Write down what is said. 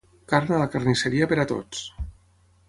Carn a la carnisseria per a tots